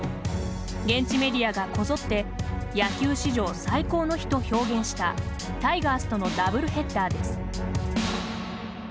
現地メディアがこぞって「野球史上最高の日」と表現したタイガースとのダブルヘッダーです。